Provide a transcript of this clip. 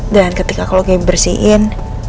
dan ketika aku lagi bersihin